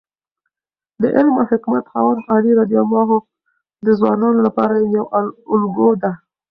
د علم او حکمت خاوند علي رض د ځوانانو لپاره یوه الګو ده.